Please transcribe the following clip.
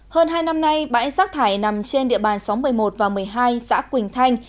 hơn hai năm nay bãi rác thải nằm trên địa bàn xóm một mươi một và một mươi hai xã quỳnh thanh